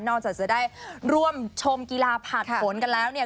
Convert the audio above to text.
จากจะได้ร่วมชมกีฬาผ่านผลกันแล้วเนี่ย